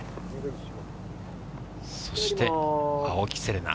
そして青木瀬令奈。